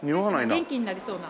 元気になりそうな。